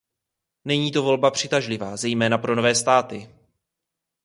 Není to volba přitažlivá, zejména pro nové státy.